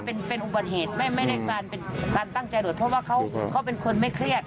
เป็นอุบัติเหตุไม่ได้การตั้งใจโดดเพราะว่าเขาเป็นคนไม่เครียด